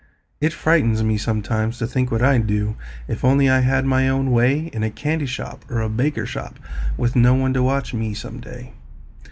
It frightens me sometimes, to think what I'd do, If only I had my own way In a candy shop or a baker shop, Witn no one to watch me, some day.